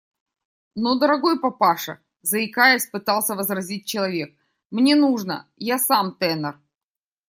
– Но, дорогой папаша, – заикаясь, пытался возразить человек, – мне нужно… я сам тенор.